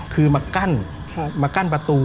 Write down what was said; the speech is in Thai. คือมากั้นมากั้นประตู